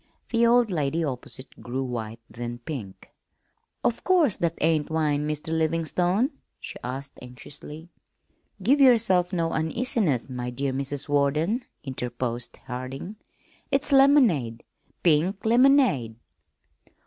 The old lady opposite grew white, then pink. "Of course that ain't wine, Mr. Livingstone?" she asked anxiously. "Give yourself no uneasiness, my dear Mrs. Warden," interposed Harding. "It's lemonade pink lemonade."